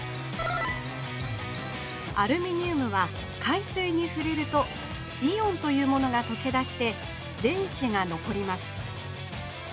アルミニウムは海水にふれるとイオンというものがとけだして電子がのこります。